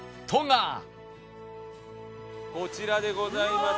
こちらでございます。